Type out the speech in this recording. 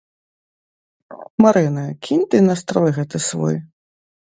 Марына, кінь ты настрой гэты свой.